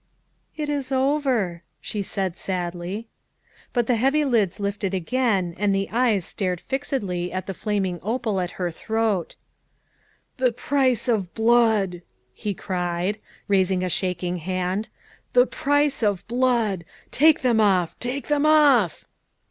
"It is over," she said sadly. THE SECRETARY OF STATE 301 But the heavy lids lifted again and the eyes stared fixedly at the naming opal at her throat. " The price of blood," he cried, raising a shaking hand, " the price of blood. Take them off! take them off!"